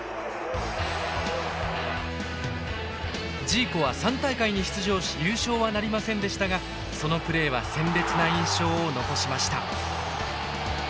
ジーコは３大会に出場し優勝はなりませんでしたがそのプレーは鮮烈な印象を残しました。